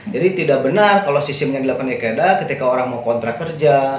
jadi tidak benar kalau sistem yang dilakukan ikeda ketika orang mau kontrak kerja